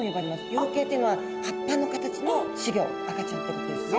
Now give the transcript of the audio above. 葉形っていうのは葉っぱの形の仔魚赤ちゃんってことですね。